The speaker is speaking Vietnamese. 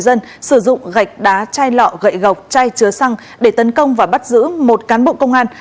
dân sử dụng gạch đá chai lọ gậy gọc chai chứa xăng để tấn công và bắt giữ một cán bộ công an